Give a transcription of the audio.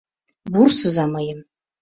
— Вурсыза мыйым!